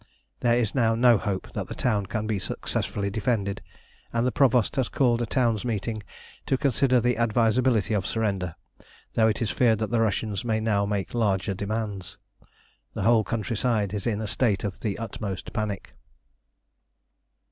There is now no hope that the town can be successfully defended, and the Provost has called a towns meeting to consider the advisability of surrender, though it is feared that the Russians may now make larger demands. The whole country side is in a state of the utmost panic.